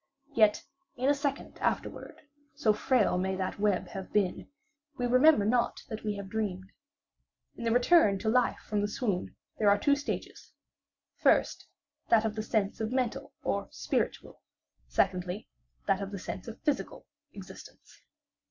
Yet in a second afterward, (so frail may that web have been) we remember not that we have dreamed. In the return to life from the swoon there are two stages; first, that of the sense of mental or spiritual; secondly, that of the sense of physical, existence.